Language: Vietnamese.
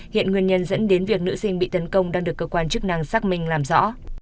hiện nguyên nhân dẫn đến việc nữ sinh bị tấn công đang được cơ quan chức năng xác minh làm rõ